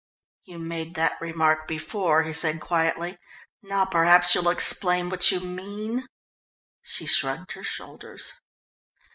"You made that remark before," he said quietly. "Now perhaps you'll explain what you mean." She shrugged her shoulders.